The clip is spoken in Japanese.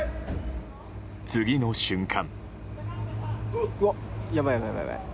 次の瞬間。